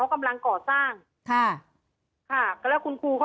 ตอนที่จะไปอยู่โรงเรียนนี้แปลว่าเรียนจบมไหนคะ